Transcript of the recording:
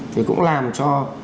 thì cũng làm cho